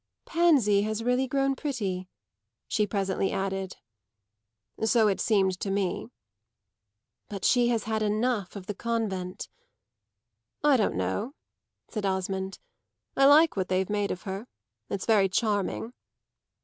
"Pansy has really grown pretty," she presently added. "So it seemed to me." "But she has had enough of the convent." "I don't know," said Osmond. "I like what they've made of her. It's very charming."